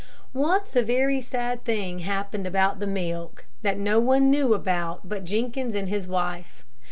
Once a very sad thing happened about the milk, that no one knew about but Jenkins and his wife.